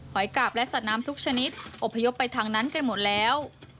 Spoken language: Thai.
กาบและสัตว์น้ำทุกชนิดอบพยพไปทางนั้นกันหมดแล้ว